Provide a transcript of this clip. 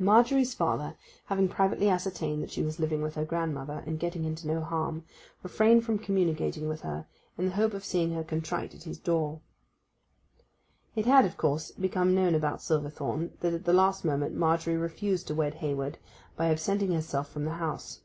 Margery's father, having privately ascertained that she was living with her grandmother, and getting into no harm, refrained from communicating with her, in the hope of seeing her contrite at his door. It had, of course, become known about Silverthorn that at the last moment Margery refused to wed Hayward, by absenting herself from the house.